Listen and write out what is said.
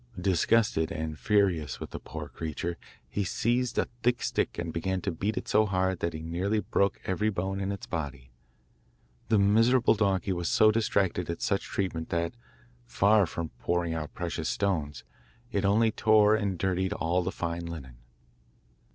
Disgusted and furious with the poor creature, he seized a thick stick and began to beat it so hard that he nearly broke every bone in its body. The miserable donkey was so distracted at such treatment that, far from pouring out precious stones, it only tore and dirtied all the fine linen.